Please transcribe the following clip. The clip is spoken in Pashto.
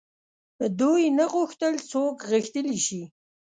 دوی نه غوښتل څوک غښتلي شي.